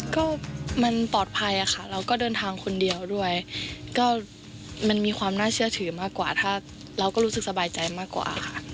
ก็มันปลอดภัยค่ะเราก็เดินทางคนเดียวด้วยก็มันมีความน่าเชื่อถือมากกว่าถ้าเราก็รู้สึกสบายใจมากกว่าค่ะ